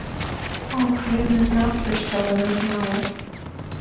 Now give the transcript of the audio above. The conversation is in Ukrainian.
Ох, він не знав, про що вона знала.